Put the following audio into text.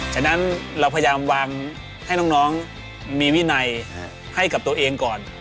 ฉะนั้นเราพยายามวางให้น้องมีวินัยให้กับตัวเองก่อน